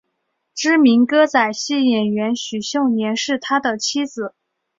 知名歌仔戏演员许秀年是他的妻子。